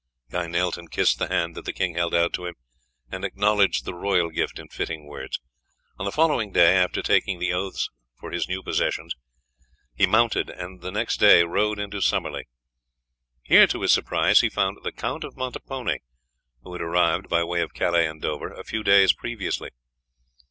Guy knelt and kissed the hand that the king held out to him, and acknowledged the royal gift in fitting words. On the following day, after taking the oaths for his new possessions, he mounted, and the next day rode into Summerley. Here to his surprise he found the Count of Montepone, who had arrived, by way of Calais and Dover, a few days previously.